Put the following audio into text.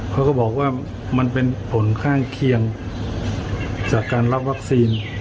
เขาก็บอกว่ามันเป็นผลข้างเคียงจากการรับวัคซีน